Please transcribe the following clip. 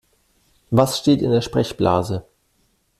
Was steht in der Sprechblase?